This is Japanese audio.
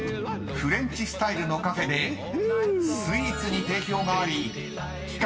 ［フレンチスタイルのカフェでスイーツに定評があり期間